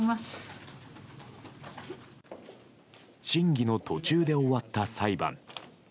審議の途中で終わった裁判。